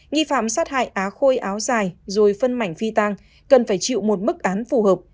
nghi phạm sát hại á khôi áo dài rồi phân mảnh phi tang cần phải chịu một mức án phù hợp